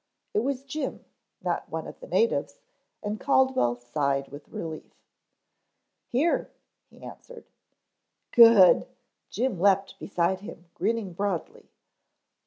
It was Jim, not one of the natives, and Caldwell sighed with relief. "Here," he answered. "Good." Jim leaped beside him grinning broadly.